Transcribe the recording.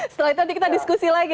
setelah itu nanti kita diskusi lagi